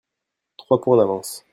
Trois point d'avance.